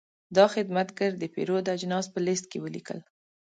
دا خدمتګر د پیرود اجناس په لېست کې ولیکل.